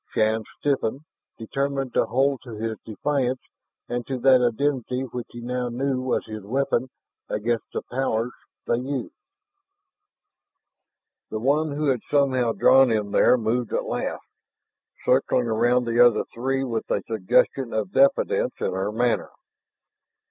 Shann stiffened, determined to hold to his defiance and to that identity which he now knew was his weapon against the powers they used. The one who had somehow drawn him there moved at last, circling around the other three with a suggestion of diffidence in her manner.